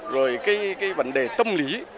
rồi cái vấn đề tâm lý